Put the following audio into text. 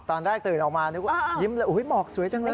ตอนแรกตื่นออกมานึกว่ายิ้มเลยหมอกสวยจังเลย